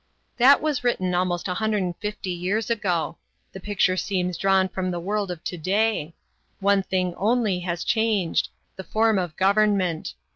"That was written almost 150 years ago. The picture seems drawn from the world of to day. One thing only has changed the form of government.